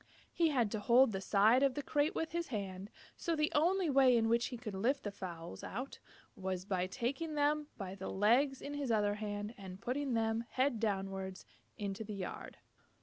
He had to hold the side of the crate with his hand, so the only way in which he could lift the fowls out was by taking them by the legs in his other hand and putting them, head downward, into the yard.